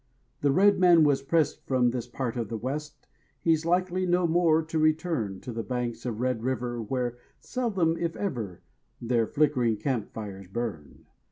The red man was pressed from this part of the West, He's likely no more to return To the banks of Red River where seldom if ever Their flickering camp fires burn.